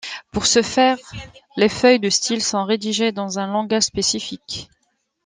Pour ce faire, les feuilles de style sont rédigées dans un langage spécifique.